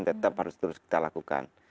tetap harus terus kita lakukan